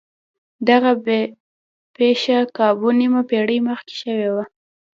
دغه پېښه کابو نيمه پېړۍ مخکې شوې وه.